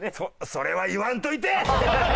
それは言わんといて！